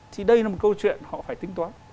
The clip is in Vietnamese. thì đây là một câu chuyện họ phải tính toán